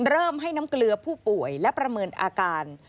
เริ่มให้น้ำเกลือผู้ป่วยและประเมินอาการ